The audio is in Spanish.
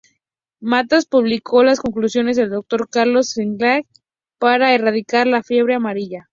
Matas publicó las conclusiones del Dr. Carlos J. Finlay para erradicar la fiebre amarilla.